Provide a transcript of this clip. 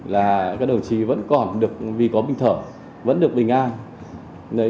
là các đồng chí vẫn còn được vì có bình thở vẫn được bình an